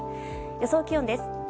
予想気温です。